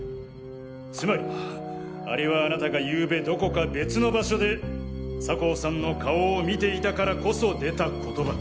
つまりあれはあなたがゆうべどこか別の場所で酒匂さんの顔を見ていたからこそ出た言葉。